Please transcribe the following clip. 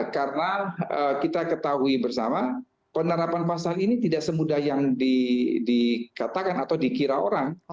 karena kita ketahui bersama penerapan pasar ini tidak semudah yang dikatakan atau dikira orang